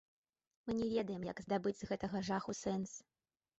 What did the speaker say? Мы не ведаем, як здабыць з гэтага жаху сэнс.